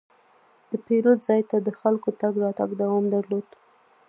د پیرود ځای ته د خلکو تګ راتګ دوام درلود.